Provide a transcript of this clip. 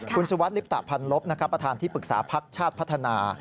คุณสุวัสดิลิปตะพันลบประธานที่ปรึกษาพักชาติพัฒนา